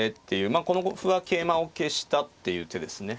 まあこの歩は桂馬を消したっていう手ですね。